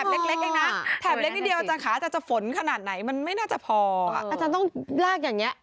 เป็นยังไงตัวเองใส่ลายเซ็นต์กันเป็นยังไง